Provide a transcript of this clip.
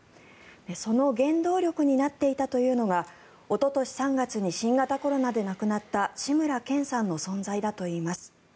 その原動力になっていたというのがおととし３月に新型コロナで亡くなった志村けんさんの存在だといいます。